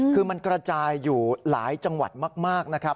คือมันกระจายอยู่หลายจังหวัดมากนะครับ